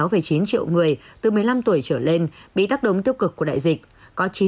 chín chín triệu người từ một mươi năm tuổi trở lên bị tác động tiêu cực của đại dịch